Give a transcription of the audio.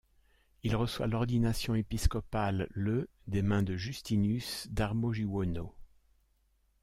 Il reçoit l'ordination épiscopale le des mains de Justinus Darmojuwono.